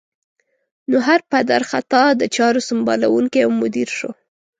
نو هر پدر خطا د چارو سمبالوونکی او مدیر شو.